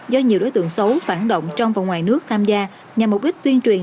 do nhiều đối tượng xấu phản động trong và ngoài nước tham gia nhằm mục đích tuyên truyền